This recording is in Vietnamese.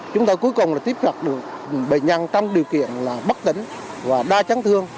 chúng tôi cuối cùng là tiếp nhận được bệnh nhân trong điều kiện là bất tỉnh và đa chấn thương